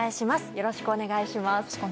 よろしくお願いします。